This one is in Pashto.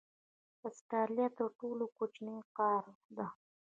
استرالیا تر ټولو کوچنۍ قاره ده.